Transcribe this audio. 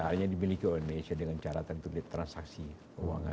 artinya dibeli ke indonesia dengan cara tentu di transaksi uang